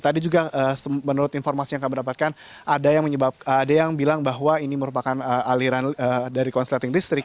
tadi juga menurut informasi yang kami dapatkan ada yang bilang bahwa ini merupakan aliran dari konsleting listrik